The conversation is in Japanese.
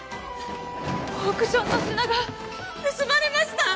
オークションの品が盗まれました！